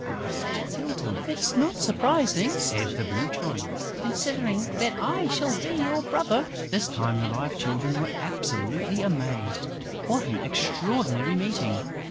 asked Tyltyl. "It's not surprising," said the Blue Child, "considering that I shall be your brother!" This time, the Live Children were absolutely amazed. What an extraordinary meeting!